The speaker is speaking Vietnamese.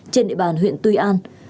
trên địa bàn huyện tuy an